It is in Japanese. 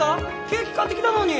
ケーキ買ってきたのに！